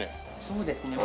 そうですね。